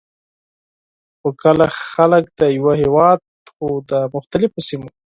خو که خلک د یوه هیواد خو د مختلفو سیمو،